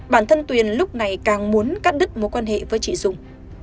bản thân tuyền lúc này càng muốn cắt đứt mối quan hệ với chị dũng